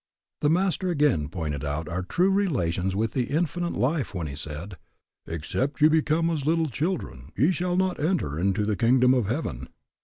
The Master again pointed out our true relations with the Infinite Life when he said, Except ye become as little children ye shall not enter into the kingdom of heaven.